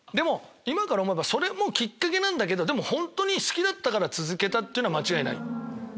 今から思えばそれもきっかけなんだけどでも本当に好きだったから続けたっていうのは間違いない。